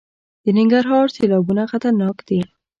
د ننګرهار سیلابونه خطرناک دي؟